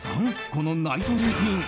このナイトルーティン